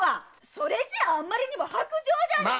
それじゃあまりにも薄情じゃないの！